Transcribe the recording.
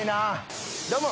どうも。